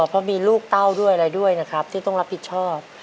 เพราะมีลูกเต้าด้วยอะไรด้วยนะครับที่ต้องรับผิดชอบ